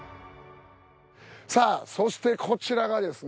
さあそしてこちらがですね